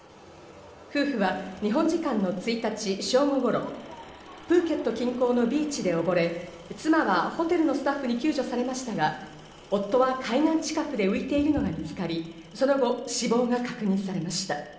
夫婦は日本時間の１日、正午頃、プーケット近郊のビーチでおぼれ、妻はホテルのスタッフに救助されましたが、夫は海岸近くで浮いているのが見つかり、その後死亡が確認されました。